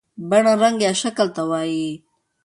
بڼه رنګ یا شکل ته وایي.